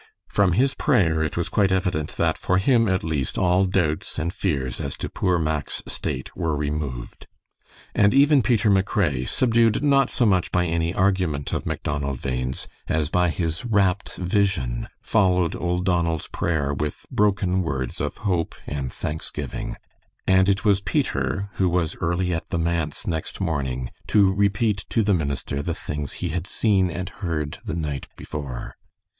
From his prayer it was quite evident that for him at least all doubts and fears as to poor Mack's state were removed. And even Peter McRae, subdued not so much by any argument of Macdonald Bhain's as by his rapt vision, followed old Donald's prayer with broken words of hope and thanksgiving; and it was Peter who was early at the manse next morning to repeat to the minister the things he had seen and heard the night before.